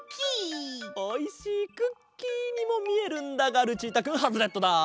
おいしいクッキーにもみえるんだがルチータくんハズレットだ。